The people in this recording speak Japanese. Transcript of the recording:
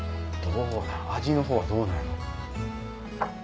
味のほうはどうなんやろ？